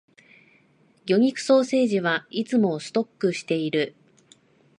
魚肉ソーセージはいつもストックしている